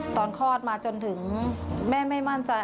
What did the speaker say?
คลอดมาจนถึงแม่ไม่มั่นใจ